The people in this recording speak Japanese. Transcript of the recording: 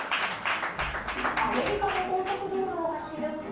アメリカの高速道路を走る車。